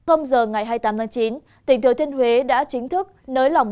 giờ ngày hai mươi tám tháng chín tỉnh thừa thiên huế đã chính thức nới lỏng